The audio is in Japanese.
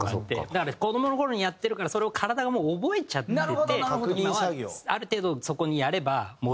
だから子どもの頃にやってるからそれを体がもう覚えちゃってて今はある程度そこにやれば戻るみたいな。